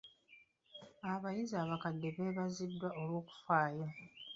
Abayizi abakadde beebaziddwa olw'okufaayo.